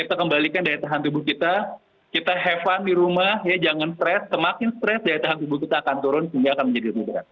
kita kembalikan daya tahan tubuh kita kita have fun di rumah ya jangan stres semakin stress daya tahan tubuh kita akan turun sehingga akan menjadi mudah